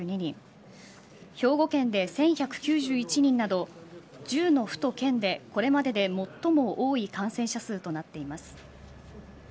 兵庫県で１１９１人など１０の府と県でこれまでで最も多い感染者数となっています。